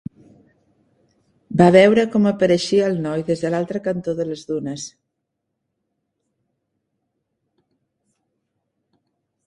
Va veure com apareixia el noi des de l'altre cantó de les dunes.